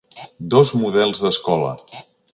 Dos models d’escola.